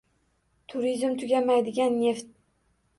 Turizm – tugamaydigan neft...